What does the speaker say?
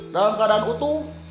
dalam keadaan utuh